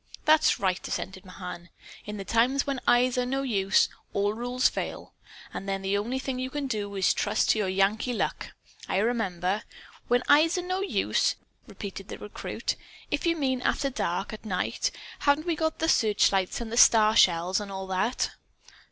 "That's right," assented Mahan. "In the times when eyes are no use, all rules fail. And then the only thing you can do is to trust to your Yankee luck. I remember " "'When eyes are no use'?" repeated the recruit. "If you mean after dark, at night haven't we got the searchlights and the starshells and all that?"